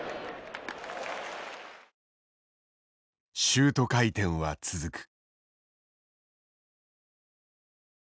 シュート回転は続く。